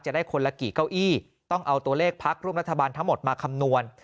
ได้คนละกี่เก้าอี้ต้องเอาตัวเลขพักร่วมรัฐบาลทั้งหมดมาคำนวณ